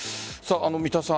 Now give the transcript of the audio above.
三田さん